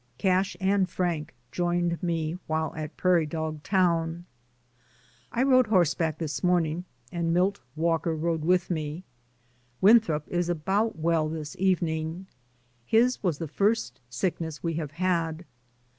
Cash and Frank joined me, while at Prairie Dog Town. I rode horseback this morning, and Milt Walker rode with me. Winthrop is about well this evening. His was the first sickness we have had.